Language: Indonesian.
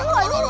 aduh aduh aduh